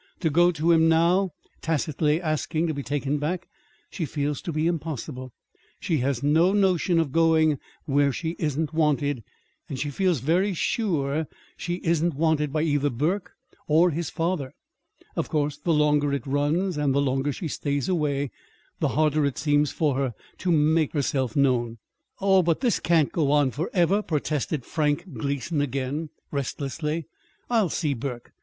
To go to him now, tacitly asking to be taken back, she feels to be impossible. She has no notion of going where she isn't wanted; and she feels very sure she isn't wanted by either Burke or his father. Of course the longer it runs, and the longer she stays away, the harder it seems for her to make herself known." "Oh, but this can't go on forever," protested Frank Gleason again, restlessly. "I'll see Burke.